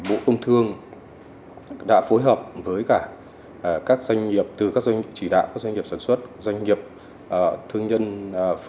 bộ công thương đã phối hợp với các doanh nghiệp sản xuất doanh nghiệp thương nhân phân phối